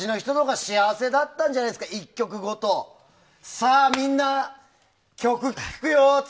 さあ、みんな曲聴くよ！って。